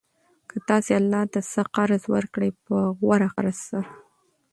كه تاسي الله ته څه قرض ورکړئ په غوره قرض سره